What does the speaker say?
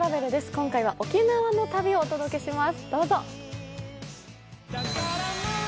今回は沖縄の旅をお届けします。